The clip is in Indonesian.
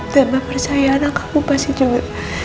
dan mbak percaya anak kamu pasti juga